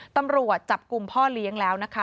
ตำรวจจับกลุ่มพ่อเลี้ยงแล้วนะคะ